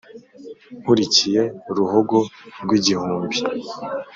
Nkurikiye ruhogo rw' igihumbi